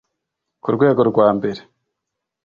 ku rwego rwa mbere,